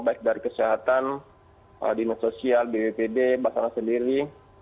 baik dari kesehatan dinas sosial bwpd basana sendiri